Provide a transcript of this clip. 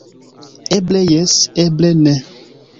Eble jes, eble ne.